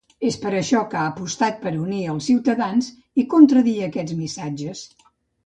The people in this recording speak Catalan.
És per això que ha apostat per ‘unir’ els ciutadans i contradir aquests missatges.